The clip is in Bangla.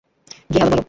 গিয়ে হ্যালো বল।